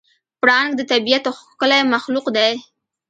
پړانګ د طبیعت ښکلی مخلوق دی.